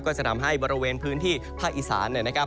จะทำให้บริเวณพื้นที่ภาคอีสานนะครับ